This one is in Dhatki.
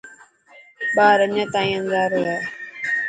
ٻار اڃا تائين انڌارو هي.